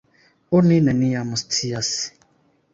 Oni neniam scias!